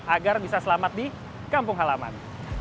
agar bisa selamat di kampung halaman